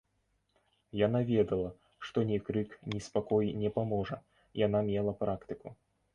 Яна ведала, што ні крык, ні спакой не паможа, яна мела практыку.